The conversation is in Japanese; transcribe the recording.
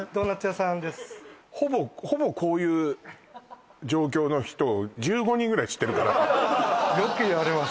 ほぼこういう状況の人を１５人ぐらい知ってるからよく言われます